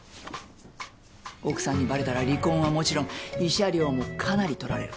奥さんにバレたら離婚はもちろん慰謝料もかなり取られる。